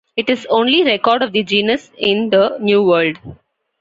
It is only record of the genus in the New World.